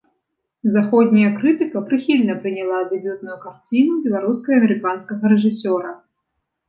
Заходняя крытыка прыхільна прыняла дэбютную карціну беларуска-амерыканскага рэжысёра.